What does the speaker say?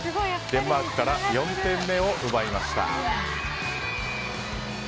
デンマークから４点目を奪いました。